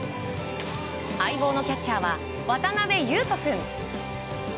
相棒のキャッチャーは渡辺優斗君。